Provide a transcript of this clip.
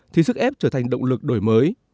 thì sức ép trở thành động lực đổi mới